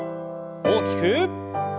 大きく。